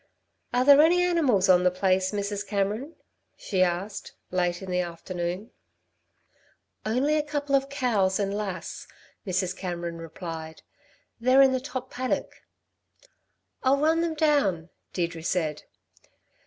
"Are there any animals on the place, Mrs. Cameron?" she asked, late in the afternoon. "Only a couple of cows and Lass," Mrs. Cameron replied. "They're in the top paddock." "I'll run them down," Deirdre said.